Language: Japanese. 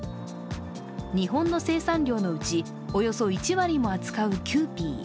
日本の生産量のうち、およそ１割を扱うキユーピー。